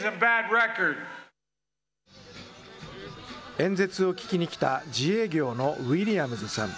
演説を聞きに来た、自営業のウィリアムズさん。